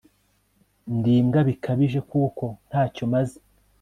ndi imbwa bikabije kuko ntacyomaze